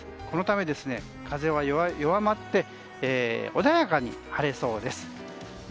このため、風は弱まって穏やかに晴れそうです。